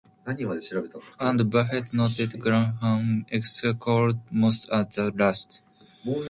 And Buffett noted, Graham excelled most at the last.